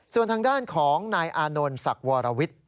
ส่วนทางด้านของนายอานนท์ศักดิ์วรวิทย์